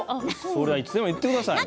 いつでも言ってください。